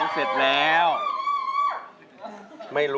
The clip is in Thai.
โปรดคล้าย